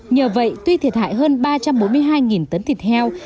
nhờ vậy tuy thiệt hại hơn ba trăm bốn mươi hai tấn thịt heo